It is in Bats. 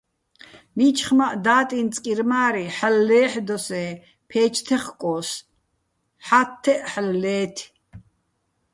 მიჩხმაჸ და́ტი́ნი̆ წკირმა́რი ჰ̦ალო̆ ლე́ჰ̦დოსე́ ფე́ჩ თეხკო́ს, ჰ̦ა́თთეჸ ჰ̦ალო̆ ლე́თე̆.